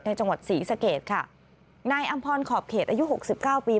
จังหวัดศรีสะเกดค่ะนายอำพรขอบเขตอายุหกสิบเก้าปี